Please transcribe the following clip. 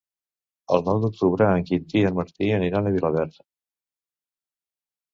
El nou d'octubre en Quintí i en Martí aniran a Vilaverd.